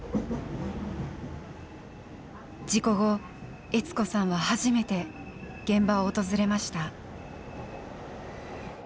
事故後悦子さんは初めて現場を訪れました。